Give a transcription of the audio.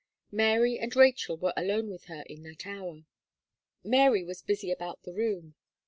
Mary and Rachel were alone with her in that hour. Mary was busy about the room.